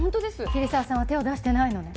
桐沢さんは手を出してないのね？